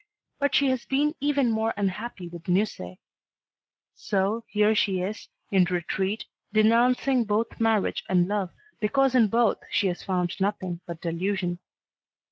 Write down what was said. But she has been even more unhappy with Musset. So here she is, in retreat, denouncing both marriage and love, because in both she has found nothing but delusion.